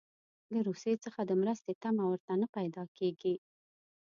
له روسیې څخه د مرستې تمه ورته نه پیدا کیږي.